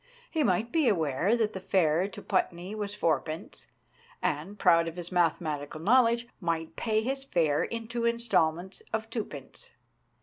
He might be aware that the fare to Putney was fourpence, and, proud of his mathematical knowledge, might pay his fare in two instalments of twopence.